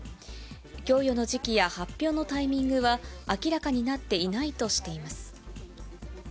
供与の時期や発表のタイミングは明らかになっていないとしています。